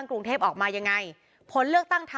คุณวราวุฒิศิลปะอาชาหัวหน้าภักดิ์ชาติไทยพัฒนา